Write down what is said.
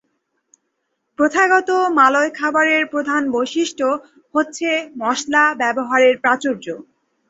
প্রথাগত মালয় খাবারের প্রধান বৈশিষ্ট্য হচ্ছে মশলা ব্যবহারের প্রাচুর্য।